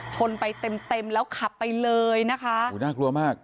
ชนไปเต็มแล้วขับไปเลยนะคะน่ากลัวมาก